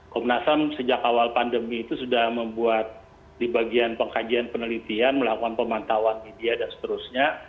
komnas ham sejak awal pandemi itu sudah membuat di bagian pengkajian penelitian melakukan pemantauan media dan seterusnya